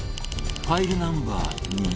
ファイルナンバー２